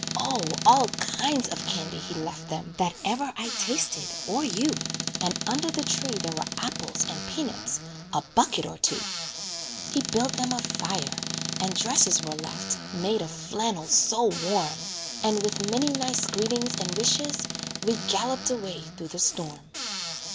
Oh! all kinds of candy he left them That ever I tasted, or you; And under the tree there were apples And peanuts a bucket or two. He built them a fire, and dresses Were left, made of flannel so warm; And, with many nice greetings and wishes, We galloped away through the storm.